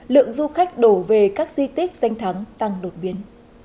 lượng du khách đổ về các di tích danh thắng tăng đột biến